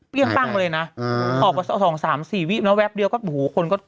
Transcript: เปรี้ยงตั้งเลยนะออกกว่าสองสามสี่วิแล้วแว๊บเดียวก็โอ้โหคนก็